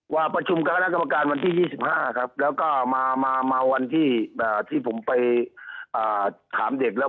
ว่าประชุมคณะกรรมการวันที่๒๕ครับแล้วก็มาวันที่ผมไปถามเด็กแล้ว